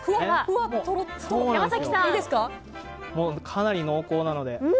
かなり濃厚なので。